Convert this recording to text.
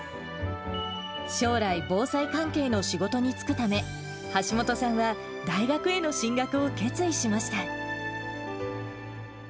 将来、防災関係の仕事に就くため、橋本さんは大学への進学を決意しました。